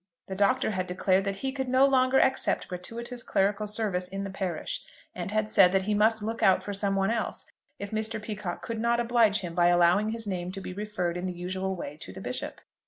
The Doctor had declared that he could no longer accept gratuitous clerical service in the parish, and had said that he must look out for some one else if Mr. Peacocke could not oblige him by allowing his name to be referred in the usual way to the Bishop.